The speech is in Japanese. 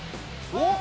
おっ？